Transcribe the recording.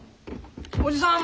おじさん